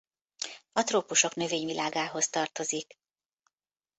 A trópusok növényvilágához tartozik.